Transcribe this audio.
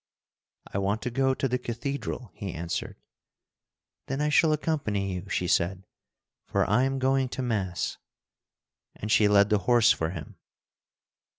"I want to go to the cathedral," he answered. "Then I shall accompany you," she said, "for I'm going to Mass." And she led the horse for him.